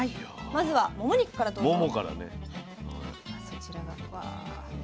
まずはもも肉からどうぞ。